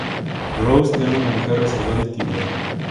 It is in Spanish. Rose era una mujer reservada y tímida.